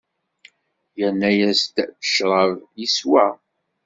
Yerna-yas-d ccṛab, iswa.